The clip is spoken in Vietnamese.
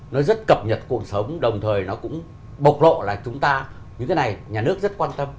nó rất cập nhật cuộc sống đồng thời nó cũng bộc lộ là chúng ta những cái này nhà nước rất quan tâm